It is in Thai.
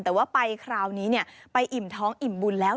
แต่ว่าไปคราวนี้ไปอิ่มท้องอิ่มบุญแล้ว